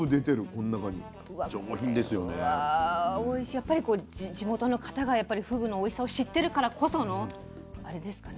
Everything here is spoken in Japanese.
やっぱり地元の方がふぐのおいしさを知ってるからこそのあれですかね。